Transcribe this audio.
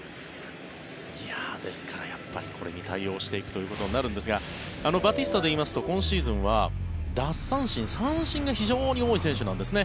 ですから、これに対応していくということになるんですがバティスタでいいますと今シーズンは奪三振、三振が非常に多い選手なんですね。